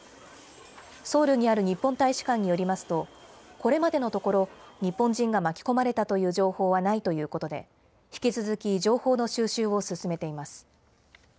ソウルにある日本大使館によりますと、これまでのところ、日本人が巻き込まれたという情報はないということで、引き続き情報の収集を進めています。